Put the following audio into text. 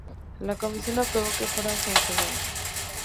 La comisión aprobó que fuera sancionado.